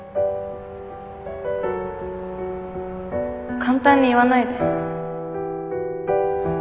簡単に言わないで。